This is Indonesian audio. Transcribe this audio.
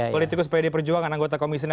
politikus pd perjuangan anggota komisi enam